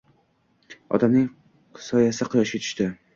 Odamning soyasi quyoshga tushdi